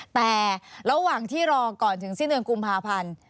แต่ระหว่างที่รอก่อนถึงสิ้นเดือนกุมภาพันธ์